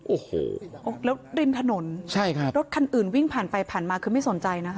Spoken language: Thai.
โอ้โหแล้วริมถนนใช่ครับรถคันอื่นวิ่งผ่านไปผ่านมาคือไม่สนใจนะคะ